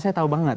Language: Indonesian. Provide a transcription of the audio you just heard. saya tahu banget